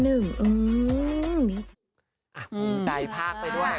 ภูมิใจภาคไปด้วย